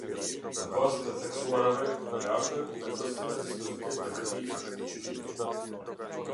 Në bazë të theksuarave më lartë, u vendos si në dispozitiv të këtij aktgjykimi.